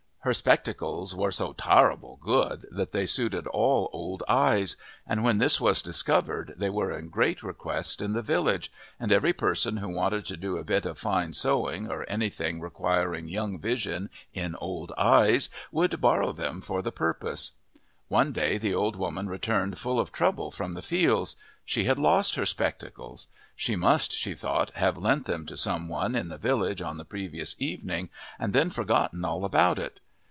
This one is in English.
Her spectacles were so "tarrable" good that they suited all old eyes, and when this was discovered they were in great request in the village, and every person who wanted to do a bit of fine sewing or anything requiring young vision in old eyes would borrow them for the purpose. One day the old woman returned full of trouble from the fields she had lost her spectacles; she must, she thought, have lent them to some one in the village on the previous evening and then forgotten all about it.